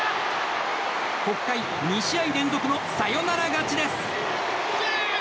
北海、２試合連続のサヨナラ勝ちです。